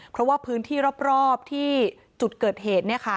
เพราะว่าพื้นที่รอบที่จุดเกิดเหตุ